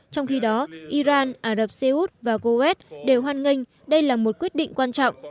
trong khi đó iran ả rập xê út và kuwait đều hoan nghênh đây là một quyết định quan trọng